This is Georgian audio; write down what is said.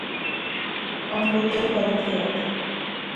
კომპიუტერი გადატრიალდა